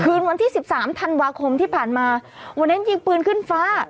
วันที่สิบสามธันวาคมที่ผ่านมาวันนั้นยิงปืนขึ้นฟ้า